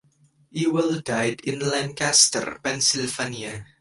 Ewell died in Lancaster, Pennsylvania.